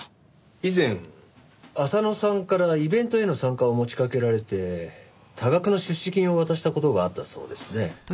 以前浅野さんからイベントへの参加を持ちかけられて多額の出資金を渡した事があったそうですね。